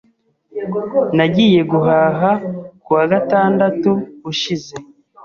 Nagiye guhaha kuwa gatandatu ushize.